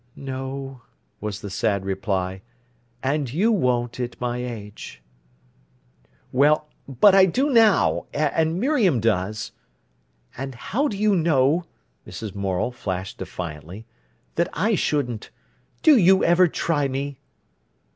"No," was the sad reply. "And you won't at my age." "Well, but I do now—and Miriam does—" "And how do you know," Mrs. Morel flashed defiantly, "that I shouldn't. Do you ever try me!"